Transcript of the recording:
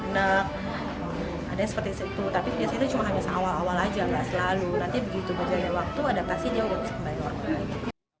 nanti begitu berjalan dari waktu adaptasi dia udah bisa kembali ke waktu lain